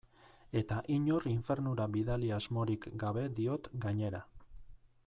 Eta inor infernura bidali asmorik gabe diot, gainera.